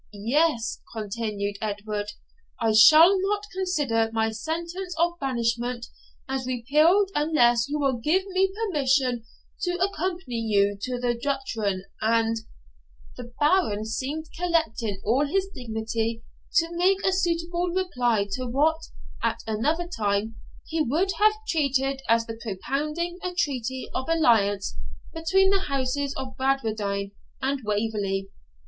'Yes,' continued Edward, 'I shall not consider my sentence of banishment as repealed unless you will give me permission to accompany you to the Duchran, and ' The Baron seemed collecting all his dignity to make a suitable reply to what, at another time, he would have treated as the propounding a treaty of alliance between the houses of Bradwardine and Waverley.